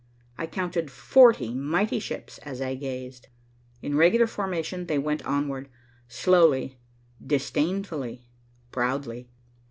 I counted forty mighty ships as I gazed. In regular formation they went onward, slowly, disdainfully, proudly.